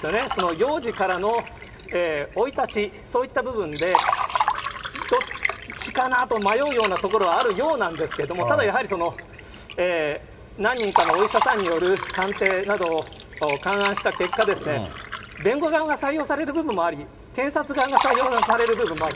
幼児からの生い立ち、そういった部分で、どっちかなと迷うようなところはあるようなんですが、ただやはり、何人かのお医者さんによる鑑定などを勘案した結果、弁護側が採用される部分もあり、検察側が採用される部分もある。